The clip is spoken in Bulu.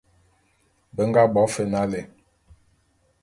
Be nga bo fe nalé.